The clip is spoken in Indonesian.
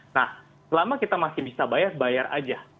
nah selama kita masih bisa bayar bayar aja